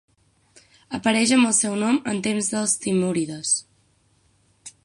Apareix amb el seu nom en temps dels timúrides.